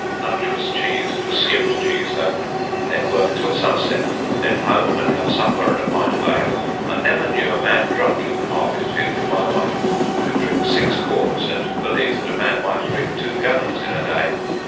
Nunch was cheese, 'twas skimmed cheese though. Then work till sunset, then home and have supper and a pint of ale. I never knew a man drunk in the harvest field in my life. Could drink six quarts, and believe that a man might drink two gallons in a day.